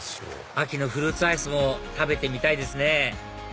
秋のフルーツアイスも食べてみたいですね